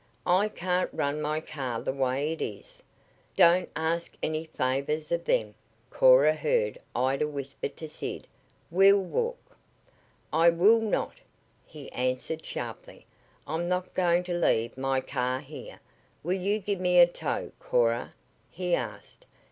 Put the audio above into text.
"I can't run my car the way it is." "Don't ask any favors of them," Cora heard Ida whisper to Sid. "We'll walk." "I will not," he answered sharply. "I'm not going to leave my car here. Will you give me a tow, Cora?" he asked.